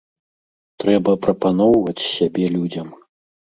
Трэба прапаноўваць сябе людзям.